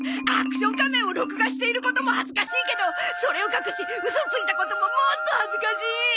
『アクション仮面』を録画していることも恥ずかしいけどそれを隠しウソついたことももっと恥ずかしい！